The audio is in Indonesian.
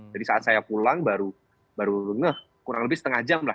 jadi saat saya pulang baru ngeh kurang lebih setengah jam lah